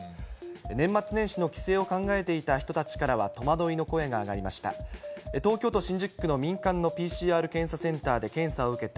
年末年始の帰省を考えていた人たちからは、戸惑いの声が上がりました。